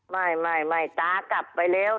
ไม่ตากลับไปแล้ว